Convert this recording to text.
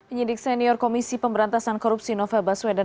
penyidik senior komisi pemberantasan korupsi novel baswedan